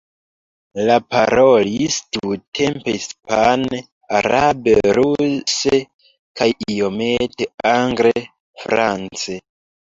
Li parolis tiutempe hispane, arabe, ruse kaj iomete angle, france.